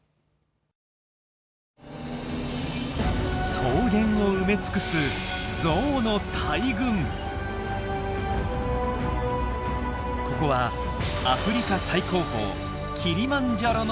草原を埋め尽くすここはアフリカ最高峰キリマンジャロのふもと。